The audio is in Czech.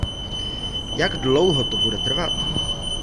Jak dlouho to bude trvat?